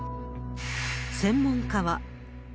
専門家は。